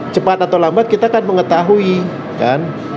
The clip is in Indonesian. cepat atau lambat kita kan mengetahui kan